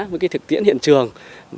với thực tiễn hiện trường